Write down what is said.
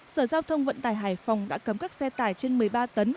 sở giao thông vận tải hải phòng đã cấm các xe tải trên một mươi ba tấn